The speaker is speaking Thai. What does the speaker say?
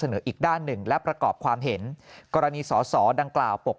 อีกด้านหนึ่งและประกอบความเห็นกรณีสอสอดังกล่าวปก